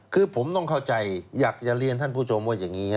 คือผมต้องเข้าใจอยากจะเรียนท่านผู้ชมว่าอย่างนี้